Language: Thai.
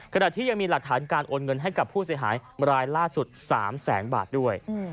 ขณะที่ยังมีหลักฐานการโอนเงินให้กับผู้เสียหายรายล่าสุด๓แสนบาทด้วย